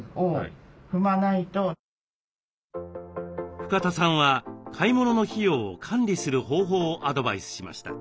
深田さんは買い物の費用を管理する方法をアドバイスしました。